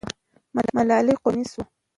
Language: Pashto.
ملالۍ قرباني سوه.